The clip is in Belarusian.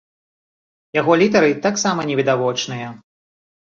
Яго лідары таксама невідавочныя.